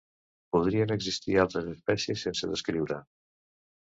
Podrien existir altres espècies sense descriure.